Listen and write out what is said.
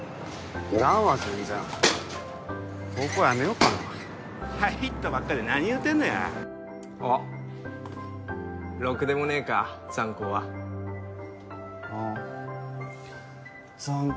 いらんわ全然高校辞めよっかな入ったばっかで何言うてんのやおっろくでもねえかザン高はああザン